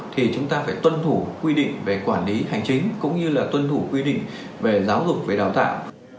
thì chúng ta phải tuân thủ quy định về quản lý hành chính cũng như là tuân thủ quy định về giáo dục về đào tạo